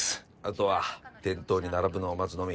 後は店頭に並ぶのを待つのみ。